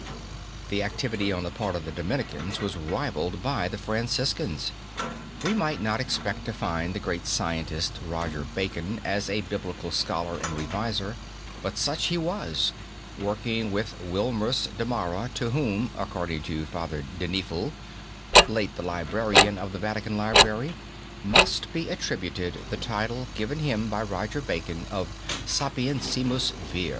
This activity on the part of the Dominicans was rivaled by the Franciscans. We might not expect to find the great scientist, Roger Bacon, as a Biblical scholar and reviser, but such he was, working with Willermus de Mara, to whom, according to Father Denifle, late the Librarian of the Vatican Library, must be attributed the title given him by Roger Bacon of Sapientissimus Vir.